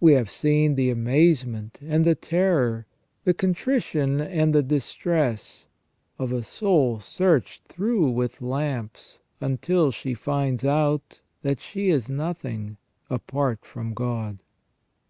We have seen the amazement and the terror, the contrition and distress, of a soul searched through with lamps until she finds out that she is nothing apart from God.